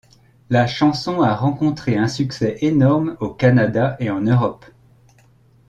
La chanson a rencontré un succès énorme au Canada et en Europe.